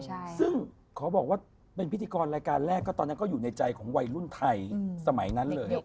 ซึ่งขอบอกว่าเป็นพิธีกรรายการแรกก็ตอนนั้นก็อยู่ในใจของวัยรุ่นไทยสมัยนั้นเลย